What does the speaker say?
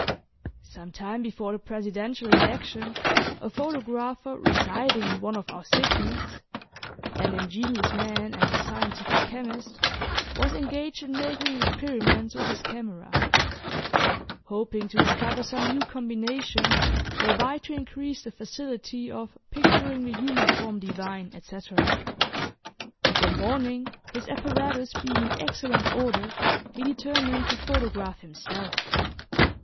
Some time before the Presidential election, a photographer residing in one of our cities (an ingenious man and a scientific chemist,) was engaged in making experiments with his camera, hoping to discover some new combination whereby to increase the facility of "picturing the human form divine," etc. One morning, his apparatus being in excellent order, he determined to photograph himself.